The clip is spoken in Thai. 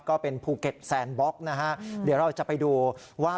ก็เป็นภูเก็ตแซนบล็อกนะฮะเดี๋ยวเราจะไปดูว่า